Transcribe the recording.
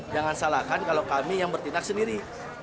jangan salahkan kalau kami yang bertindak sendiri